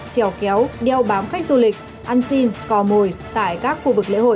trèo kéo đeo bám khách du lịch ăn xin cò mồi tại các khu vực lễ hội